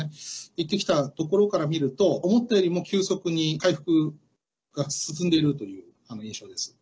行ってきたところから見ると思ったよりも急速に回復が進んでいるという印象です。